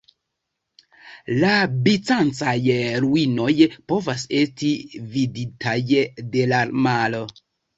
La bizancaj ruinoj povas esti viditaj de la maro.